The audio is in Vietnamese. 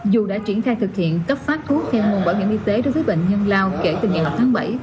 dù đã triển khai thực hiện cấp phát thuốc theo nguồn bảo hiểm y tế đối với bệnh nhân lao kể từ ngày một tháng bảy